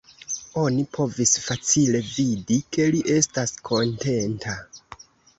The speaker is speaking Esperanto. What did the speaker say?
Oni povis facile vidi, ke li estas kontenta.